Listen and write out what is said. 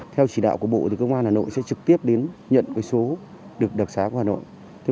theo chỉ đạo của bộ công an hà nội sẽ trực tiếp nhận số được đặc sá của hà nội